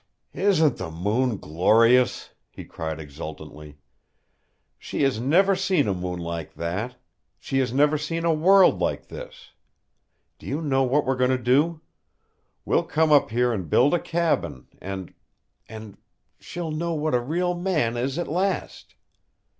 "Isn't the moon glorious?" he cried exultantly. "She has never seen a moon like that. She has never seen a world like this. Do you know what we're going to do? We'll come up here and build a cabin, and and she'll know what a real man is at last!